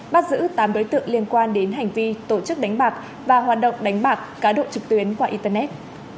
bắt giữ tám đối tượng liên quan đến hành vi tổ chức đánh bạc và hoạt động đánh bạc cá độ trực tuyến qua internet